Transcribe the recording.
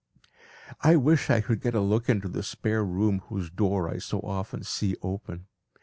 I wish I could get a look into the spare room whose door I so often see open.